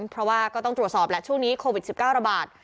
เพราะว่าก็ต้องตรวจสอบแหละช่วงนี้โควิด๑๙ระบาด